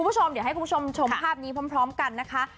คุณผู้ชมเดี๋ยวให้คุณผู้ชมชมภาพนี้พร้อมกันนะคะ